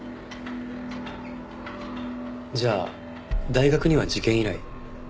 じゃあ大学には事件以来。